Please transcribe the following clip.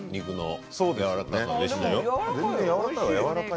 やわらかい！